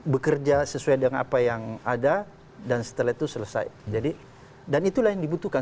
bekerja sesuai dengan apa yang ada dan setelah itu selesai jadi dan itulah yang dibutuhkan